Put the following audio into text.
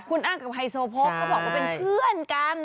คุณอ้ำกับไฮโซโพกก็บอกว่าเป็นเพื่อนกัน